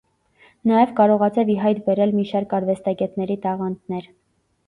Նաև կարողացավ ի հայտ բերել մի շարք արվեստագետների տաղանդներ։